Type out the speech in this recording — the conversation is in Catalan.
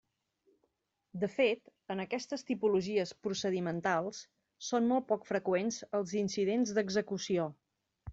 De fet, en aquestes tipologies procedimentals són molt poc freqüents els incidents d'execució.